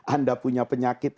anda punya penyakit